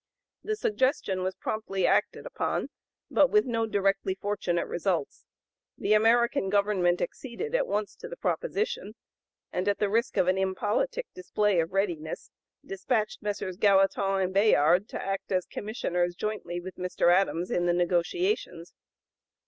The suggestion was promptly acted upon, but with no directly fortunate results. The American (p. 075) government acceded at once to the proposition, and at the risk of an impolitic display of readiness dispatched Messrs. Gallatin and Bayard to act as Commissioners jointly with Mr. Adams in the negotiations.